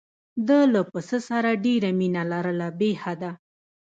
ده له پسه سره ډېره مینه لرله بې حده.